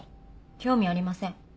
興味ありません。